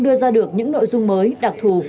đưa ra được những nội dung mới đặc thù